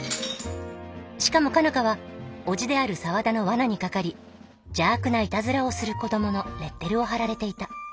しかも佳奈花は叔父である沢田のわなにかかり「邪悪ないたずらをする子ども」のレッテルを貼られていた。